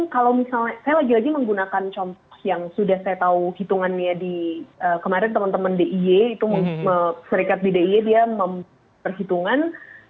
kalau misalnya saya lagi lagi menggunakan contoh yang sudah saya tahu hitungannya di kemarin teman teman d i y itu serikat di d i e dia memperhitungan